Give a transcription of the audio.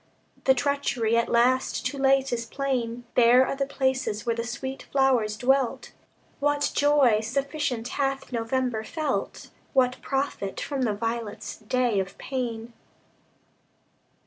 The treachery, at last, too late, is plain; Bare are the places where the sweet flowers dwelt. What joy sufficient hath November felt? What profit from the violet's day of pain?